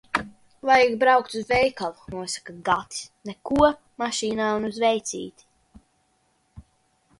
"Vajag braukt uz veikalu," nosaka Gatis. Neko, mašīnā un uz veicīti.